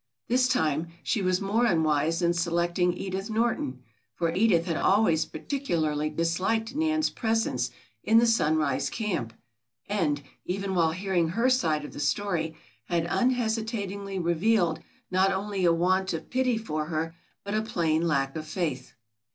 This time she was more unwise in selecting Edith Norton, for Edith had always particularly disliked Nan's presence in the Sunrise Camp and, even while hearing her side of the story, had unhesitatingly revealed not only a want of pity for her but a plain lack of faith.